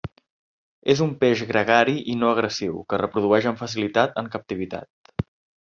És un peix gregari i no agressiu que es reprodueix amb facilitat en captivitat.